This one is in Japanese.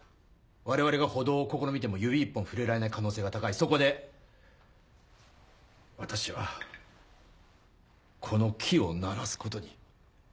我々が補導を試みても指一本触れられない可能性が高いそこで私はこの木を鳴らすことに。